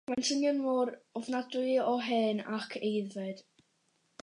Mae'n swnio mor ofnadwy o hen ac aeddfed.